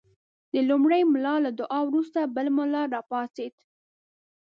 د لومړي ملا له دعا وروسته بل ملا راپاڅېد.